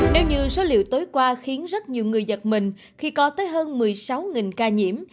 nếu như số liệu tối qua khiến rất nhiều người giật mình khi có tới hơn một mươi sáu ca nhiễm